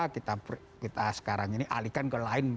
kita sekarang ini alihkan ke lain